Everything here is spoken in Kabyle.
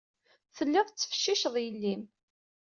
Tellid tettfecciced yelli-m.